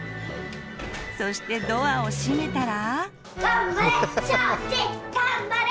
そしてドアを閉めたら。